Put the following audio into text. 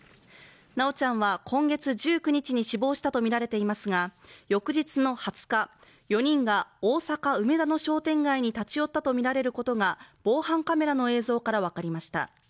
修ちゃんは今月１９日に死亡したとみられていますが、翌日の２０日、４人が大阪・梅田の商店街に立ち寄ったとみられることが防犯カメラの映像からわかりました。